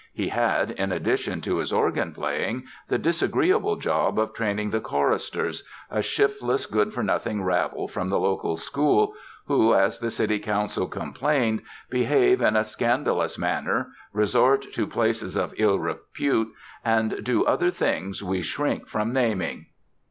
He had, in addition to his organ playing, the disagreeable job of training the choristers, a shiftless, good for nothing rabble from the local school who, as the city council complained, "behave in a scandalous manner, resort to places of ill repute and do other things we shrink from naming."